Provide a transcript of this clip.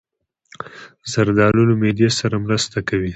زردالو له معدې سره مرسته کوي.